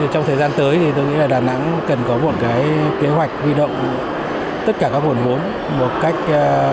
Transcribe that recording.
trong thời gian tới tôi nghĩ là đà nẵng cần có một kế hoạch vi động tất cả các nguồn mốn